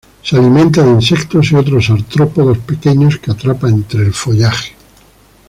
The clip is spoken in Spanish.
Se alimenta de insectos y otros artrópodos pequeños que atrapa entre el follaje.